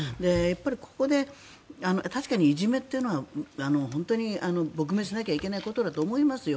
ここで確かにいじめというのは本当に撲滅しなきゃいけないことだと思いますよ。